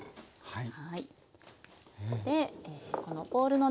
はい。